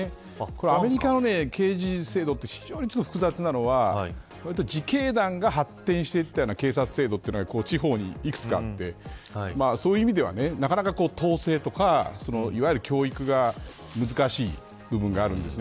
これはアメリカの刑事制度が非常に複雑なのはわりと自警団が発展していったような警察制度が地方に幾つかあってそういう意味ではなかなか統制とかいわゆる教育が難しい部分があるんです。